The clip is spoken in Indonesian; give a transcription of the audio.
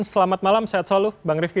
selamat malam sehat selalu bang rifki